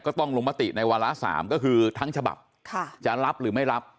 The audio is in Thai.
ต้องลงมติในวาระ๓ก็คือทั้งฉบับจะรับหรือไม่รับ